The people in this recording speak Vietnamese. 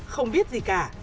không biết gì cả